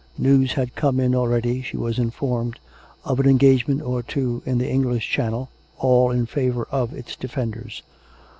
News had come in al ready, she was informed, of an engagement or two in the English Channel, all in favour of its defenders.